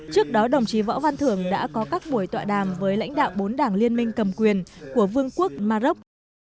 trước đó đồng chí võ văn thường đã có các buổi tọa đàm với lãnh đạo bốn đảng liên minh cầm quyền của vương quốc maroc